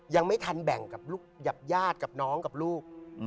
ยังไม่ทันแบ่งกับญาติกับน้องกับลูก